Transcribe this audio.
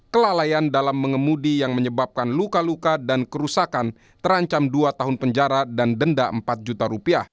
kelalaian dalam mengemudi yang menyebabkan luka luka dan kerusakan terancam dua tahun penjara dan denda empat juta rupiah